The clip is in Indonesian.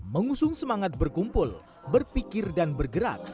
mengusung semangat berkumpul berpikir dan bergerak